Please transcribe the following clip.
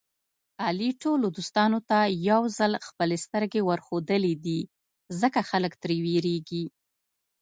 علي ټولو دوستانو ته یوځل خپلې سترګې ورښودلې دي. ځکه خلک تر وېرېږي.